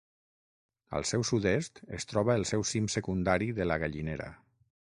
Al seu sud-est es troba el seu cim secundari de la Gallinera.